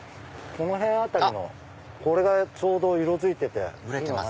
この辺のこれがちょうど色づいてて。